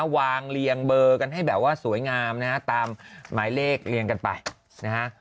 วางเรียงเบอร์กันให้แบบว่าสวยงามนะฮะตามหมายเลขเรียงกันไปนะฮะ